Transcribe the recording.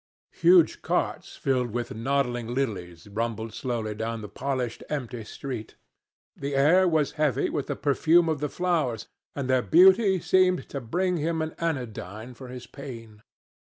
Huge carts filled with nodding lilies rumbled slowly down the polished empty street. The air was heavy with the perfume of the flowers, and their beauty seemed to bring him an anodyne for his pain.